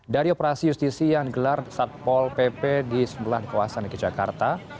dari operasi justisi yang gelar saat pol pp di sebelah kawasan dg jakarta